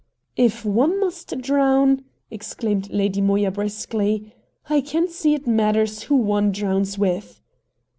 "If one must drown!" exclaimed Lady Moya briskly, "I can't see it matters who one drowns with."